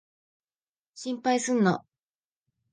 心配すんな。